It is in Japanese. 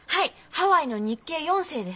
ハワイの日系４世です。